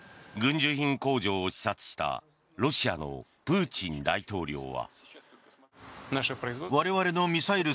需品工場を視察したロシアのプーチン大統領は。